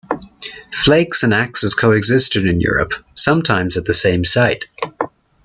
Flakes and axes coexisted in Europe, sometimes at the same site.